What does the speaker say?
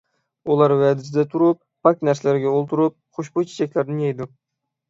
ئۇلار ۋەدىسىدە تۇرۇپ، پاك نەرسىلەرگە ئولتۇرۇپ، خۇشبۇي چېچەكلەردىن يەيدۇ.